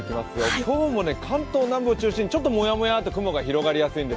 今日も関東南部を中心にもやもやっと雲が広がりやすいんです。